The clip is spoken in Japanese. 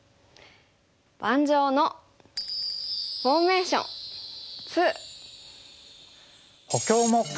「盤上のフォーメーション２」。